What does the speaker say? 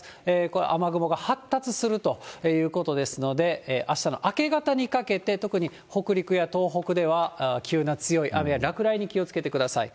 これ、雨雲が発達するということですので、あしたの明け方にかけて、特に北陸や東北では、急な強い雨や落雷に気をつけてください。